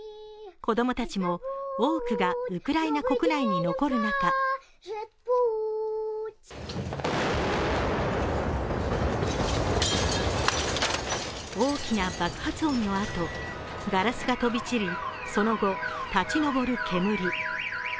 子供たちも多くがウクライナ国内に残る中大きな爆発音のあとガラスが飛び散りその後、立ち上る煙。